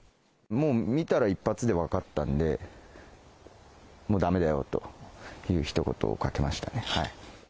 もう見たら、一発で分かったんで、もうだめだよというひと言をかけましたね。